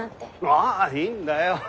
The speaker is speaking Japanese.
ああいいんだよ。